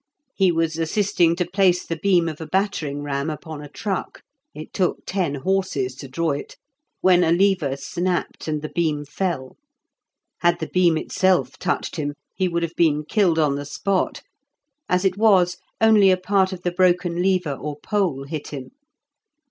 He was assisting to place the beam of a battering ram upon a truck (it took ten horses to draw it) when a lever snapped, and the beam fell. Had the beam itself touched him he would have been killed on the spot; as it was, only a part of the broken lever or pole hit him.